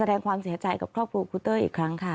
แสดงความเสียใจกับครอบครัวครูเต้ยอีกครั้งค่ะ